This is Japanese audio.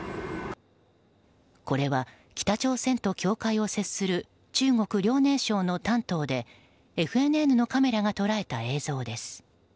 これは、北朝鮮と境界を接する中国・遼寧省の丹東でＦＮＮのカメラが捉えた映像です。